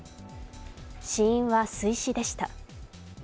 死因は水死でした。